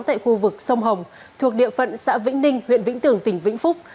tại khu vực sông hồng thuộc địa phận xã vĩnh ninh huyện vĩnh tường tỉnh vĩnh phúc